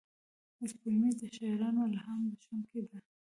سپوږمۍ د شاعرانو الهام بښونکې ده